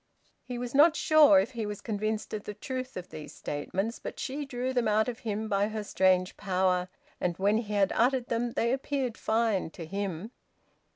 He was not sure if he was convinced of the truth of these statements; but she drew them out of him by her strange power. And when he had uttered them, they appeared fine to him.